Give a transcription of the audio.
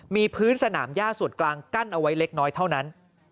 มีพื้นสนามย่าส่วนกลางกั้นเอาไว้เล็กน้อยเท่านั้น